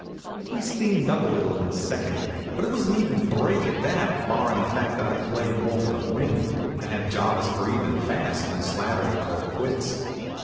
We steamed up a little in the second; but it was an even break at that, barrin' the fact that I played more for the wind, and had Jarvis breathin' fast when Slattery called quits.